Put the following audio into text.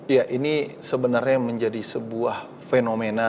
ya ini sebenarnya menjadi sebuah fenomena